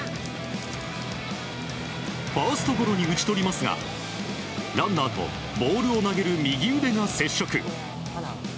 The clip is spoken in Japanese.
ファーストゴロに打ち取りますがランナーとボールを投げる右腕が接触。